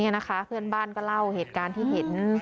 นี่นะคะเพื่อนบ้านก็เล่าเหตุการณ์ที่เห็น